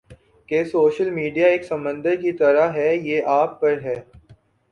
کہ social media ایک سمندر کی طرح ہے یہ آپ پر ہے